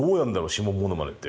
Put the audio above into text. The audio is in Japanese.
指紋モノマネって。